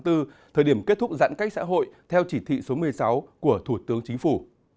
thời điểm kết thúc giãn cách xã hội theo chỉ thị số một mươi sáu của thủ tướng chính phủ